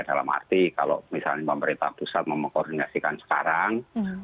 dalam arti kalau misalnya pemerintah pusat mengkoordinasikan sekarang